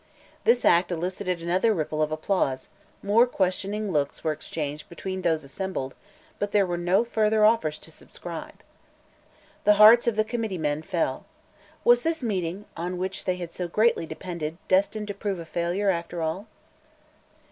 This act elicited another ripple of applause; more questioning looks were exchanged between those assembled, but there were no further offers to subscribe. The hearts of the committeemen fell. Was this meeting, on which they had so greatly depended, destined to prove a failure, after all?